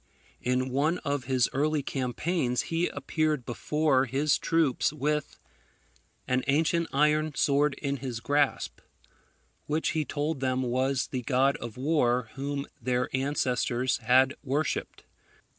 In one of his early campaigns he appeared before his troops with an ancient iron sword in his grasp, which he told them was the god of war whom their ancestors had worshipped.